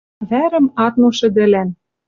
Вӓрӹм ат мо шӹдӹлӓн.